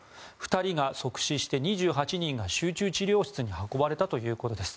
２人が即死して２８人が集中治療室に運ばれたということです。